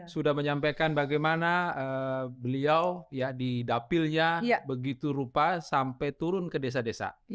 sudah menyampaikan bagaimana beliau di dapilnya begitu rupa sampai turun ke desa desa